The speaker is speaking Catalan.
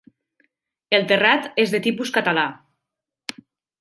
El terrat és de tipus català.